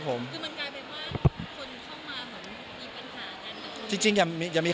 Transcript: เป็นครั้งบ้าง